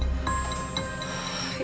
ini laras asisten kamu